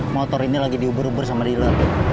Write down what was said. motor ini lagi diuber uber sama dila